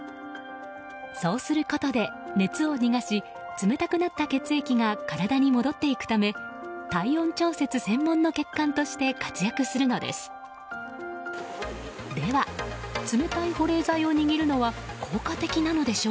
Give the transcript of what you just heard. そうすることで熱を逃がし冷たくなった血液が体に戻っていくため体温調節専門の血管として活躍するのです。